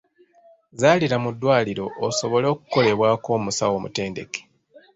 Zaalira mu ddwaliro osobole okukolebwako omusawo omutendeke.